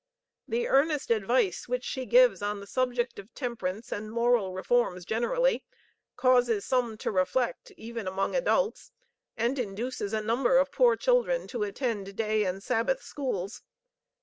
The earnest advice which she gives on the subject of temperance and moral reforms generally causes some to reflect, even among adults, and induces a number of poor children to attend day and Sabbath schools.